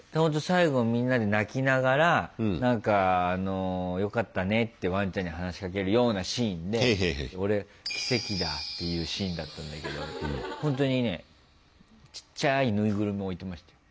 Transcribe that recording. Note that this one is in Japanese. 最後みんなで泣きながら何かよかったねってワンちゃんに話しかけるようなシーンで俺「奇跡だぁ」って言うシーンだったけどほんとにねちっちゃい縫いぐるみ置いてましたよ。